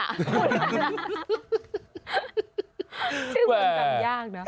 ชื่อคุณยังยากนัก